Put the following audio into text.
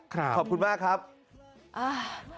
ขอบคุณมากครับอ่า